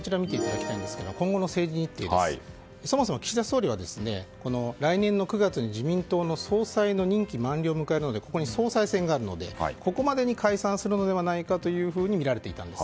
今後の政治日程ですがそもそも岸田総理は来年の９月に自民党の総裁の任期満了を迎えるのでここに総裁選があるのでここまでに解散するのではないかとみられていたんです。